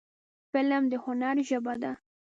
فلم د هنر ژبه ده